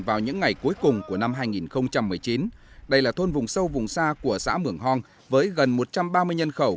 vào những ngày cuối cùng của năm hai nghìn một mươi chín đây là thôn vùng sâu vùng xa của xã mường hong với gần một trăm ba mươi nhân khẩu